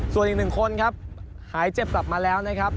ส่วนอีกหนึ่งคนครับหายเจ็บกลับมาแล้วนะครับ